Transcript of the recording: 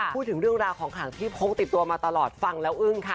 พูดถึงเรื่องราวของขลังที่พกติดตัวมาตลอดฟังแล้วอึ้งค่ะ